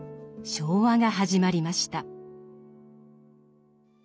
昭和が始まりました。